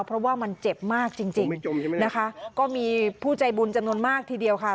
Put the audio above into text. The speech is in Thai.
เพราะว่ามันเจ็บมากจริงจริงนะคะก็มีผู้ใจบุญจำนวนมากทีเดียวค่ะ